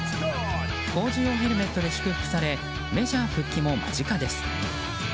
工事用ヘルメットで祝福されメジャー復帰も間近です。